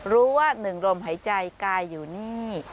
รู้ว่าหนึ่งลมหายใจกายอยู่นี่